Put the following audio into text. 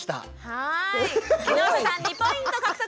はい木下さん２ポイント獲得。